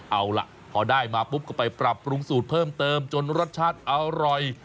เอาล่ะพอได้มาปุ๊บก็ไปปรับปรุงสูตรเพิ่มเติมจนรสชาติอร่อย